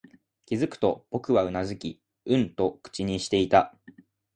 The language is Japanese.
気づくと、僕はうなずき、うんと口にしていた